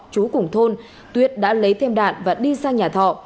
chú cùng thôn tuyết đã lấy thêm đạn và đi sang nhà thọ